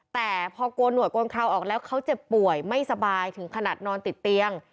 แต่พอโกนหนวดโกนคราวออกแล้วเขาเจ็บป่วยไม่สบายถึงขนาดนอนติดเตียง